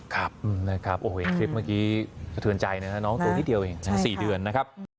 คลิปเมื่อกี้กระเทือนใจน้องตัวนี้เดียวเอง๔เดือนนะครับ